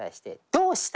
「どうした？